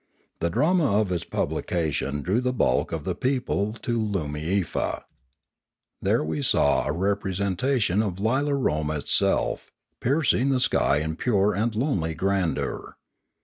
The drama of its publication drew the bulk of the people to Loomiefa. There we saw a representation of Lilaroma itself, piercing the sky in pure and lonely grandeur.